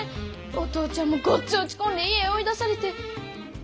お父ちゃんもごっつい落ち込んで家追い出されて。